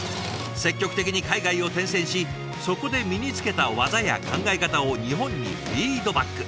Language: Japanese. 積極的に海外を転戦しそこで身につけた技や考え方を日本にフィードバック。